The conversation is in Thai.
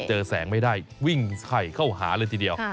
เจอแสงไม่ได้วิ่งไขเข้าหาเลยทีเดียว